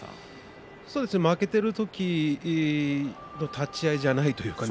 負けている時の立ち合いじゃないというかね